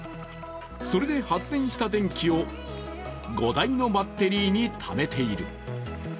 それで発電した電気を５台のバッテリーにためている。